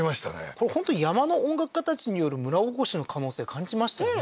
これ本当に山の音楽家たちによる村おこしの可能性感じましたよね